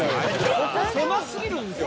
ここ狭すぎるんですよ。